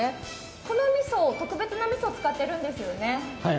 このみそ、特別なみそを使っているんですよね？